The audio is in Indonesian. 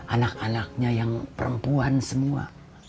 anak anaknya yang perempuan semua